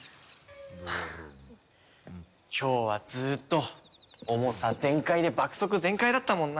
今日はずーっと重さ全開で爆速全開だったもんな。